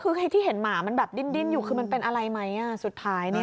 คือไอ้ที่เห็นหมามันแบบดิ้นอยู่คือมันเป็นอะไรไหมสุดท้ายเนี่ย